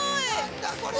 何だこれは！？